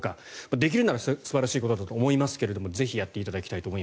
できるなら素晴らしいことだと思いますがぜひやっていただきたいと。